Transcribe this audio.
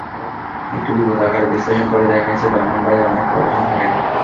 একটু বিশদ আকারে বিশ্লেষণ করে দেখা গেছে, ব্রাহ্মণবাড়িয়ায় অনেক প্রবাসী থাকেন।